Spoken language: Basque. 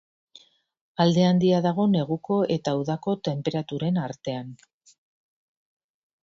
Alde handia dago neguko eta udako tenperaturen artean.